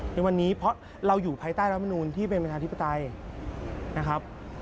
ในวันนี้เพราะเราอยู่ภายใต้รัฐมนูลที่เป็นประชาธิปไตยนะครับ